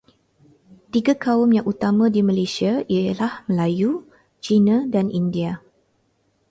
Tiga kaum yang utama di Malaysia ialah Melayu, Cina dan India.